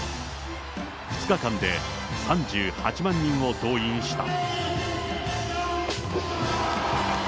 ２日間で３８万人を動員した。